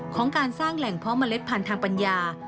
ของการสร้างแหล่งเพาะเมล็ดพันธุ์ทางปัญญา